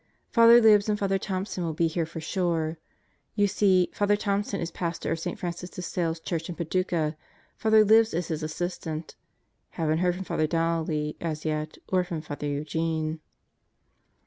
Father Libs and Father Thompson will be here for sure. You see Father Thompson is Pastor of St. Francis de Sales Church in Padu cah. Father Libs is his assistant. Haven't heard from Father Donnelly as yet or from Father Eugene.